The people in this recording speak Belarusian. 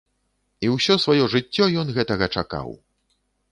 І ўсё сваё жыццё ён гэтага чакаў.